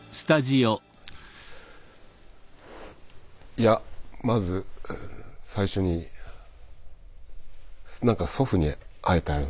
いやまず最初に何か祖父に会えたような。